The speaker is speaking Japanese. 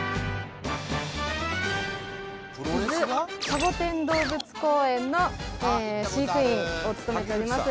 シャボテン動物公園の飼育員を務めております